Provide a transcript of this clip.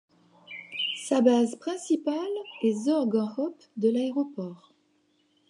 Sa base principale est Zorg en Hoop de l'Aéroport.